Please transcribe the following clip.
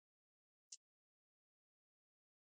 ایا ستاسو دسترخوان پراخ نه دی؟